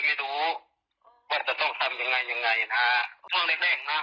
เก็บยาคุณอะไรในหมู่บ้านเสียหมดเลยเนอะ